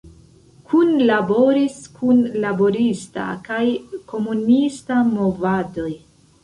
Kunlaboris kun laborista kaj komunista movadoj.